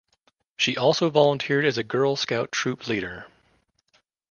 She also volunteered as a girl scout troop leader.